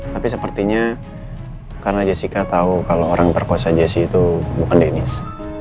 tapi sepertinya karena jessica tahu kalau orang yang terkuasa jessi itu bukan dennis